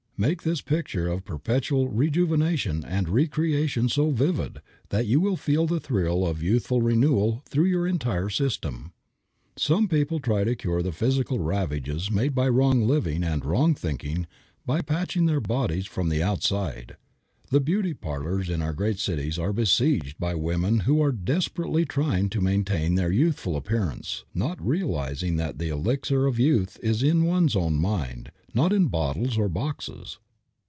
Make this picture of perpetual rejuvenation and re creation so vivid that you will feel the thrill of youthful renewal through your entire system. Some people try to cure the physical ravages made by wrong living and wrong thinking by patching their bodies from the outside. The "beauty parlors" in our great cities are besieged by women who are desperately trying to maintain their youthful appearance, not realizing that the elixir of youth is in one's own mind, not in bottles or boxes.